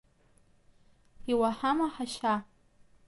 Иуаҳама, ҳашьа?